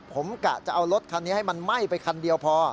ผมกะจะเอารถคันนี้ให้มันไหม้ไปคันเดียวพอ